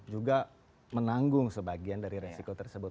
juga menanggung sebagian dari resiko tersebut